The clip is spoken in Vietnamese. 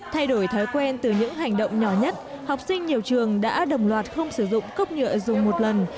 thay đổi thói quen từ những hành động nhỏ nhất học sinh nhiều trường đã đồng loạt không sử dụng cốc nhựa dùng một lần